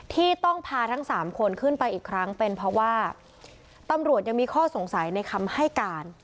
ที่ต้องพาทั้งสามคนขึ้นไปอีกครั้งเป็นเพราะว่าตำรวจยังมีข้อสงสัยในคำให้การ